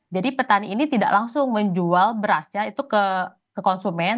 jadi petani ini tidak langsung menjual berasnya itu ke konsumen